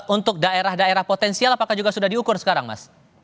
untuk daerah daerah potensial apakah juga sudah diukur sekarang mas